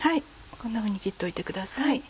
こんなふうに切っといてください。